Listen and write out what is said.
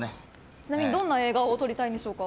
ちなみにどんな映画を撮りたいんでしょうか。